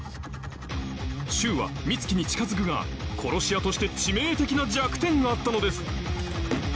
柊は美月に近づくが殺し屋として致命的な弱点があったのです